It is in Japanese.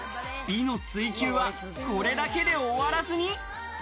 美の追求はこれだけで終わらずに。